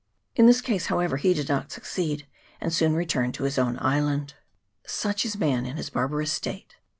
In this case, however, he did not succeed, and soon returned to his own island. Such is man in his barbarous state!